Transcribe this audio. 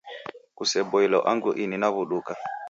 Kuseboilo angu ini naw'uduka